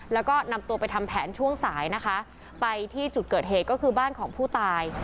แล้วก็นำตัวไปทำแผนช่วงสายนะคะไปที่จุดเกิดเหตุก็คือบ้านของผู้ตาย